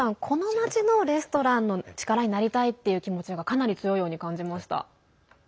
この町のレストランの力になりたいという気持ちがかなり強いように感じました。